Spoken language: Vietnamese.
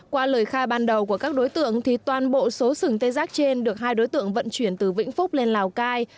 qua lời khai ban đầu của các đối tượng thì toàn bộ số sừng tê giác trên được hai đối tượng vận chuyển từ vĩnh phúc lên lào cai